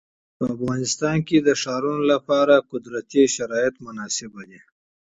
په افغانستان کې د ښارونه لپاره طبیعي شرایط مناسب دي.